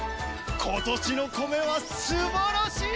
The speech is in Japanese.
今年の米は素晴らしい！